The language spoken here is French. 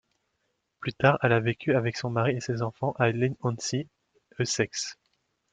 Plus tard, elle a vécu avec son mari et ses enfants à Leigh-on-Sea, Essex.